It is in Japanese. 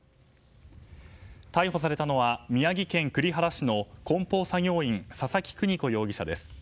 逮捕されたのは宮城県栗原市の梱包作業員佐々木邦子容疑者です。